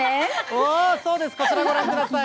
うぉー、そうです、こちらご覧ください。